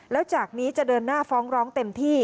แล้วจากนี้จะเดินหน้าฟ้องร้องเต็มที่